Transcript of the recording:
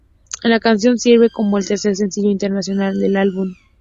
La canción sirve como el tercer sencillo internacional del álbum.